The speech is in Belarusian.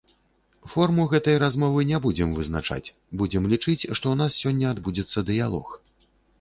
Форму гэтай размовы не будзем вызначаць, будзем лічыць, што ў нас сёння адбудзецца дыялог.